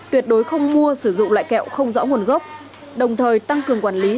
tuyệt đối không mua sử dụng loại kẹo không rõ nguồn gốc đồng thời tăng cường quản lý